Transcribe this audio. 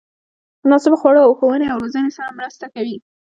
مناسبو خوړو او ښوونې او روزنې سره مرسته کوي.